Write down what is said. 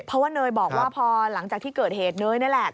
เพราะว่าเนยบอกว่าพอหลังจากที่เกิดเหตุเนยนี่แหละ